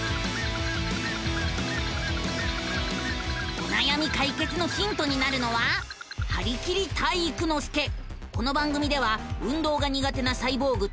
おなやみ解決のヒントになるのはこの番組では運動が苦手なサイボーグ体育ノ